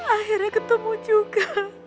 akhirnya ketemu juga